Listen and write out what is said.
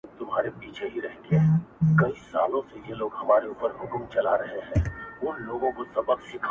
زولنې یې شرنګولې د زندان استازی راغی-